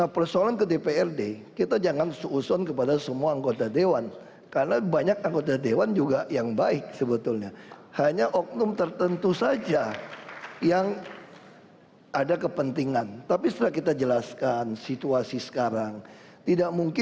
paslon dua terlebih dahulu waktunya adalah dua menit silakan